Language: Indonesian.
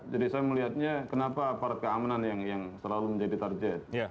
jadi saya melihatnya kenapa aparat keamanan yang selalu menjadi target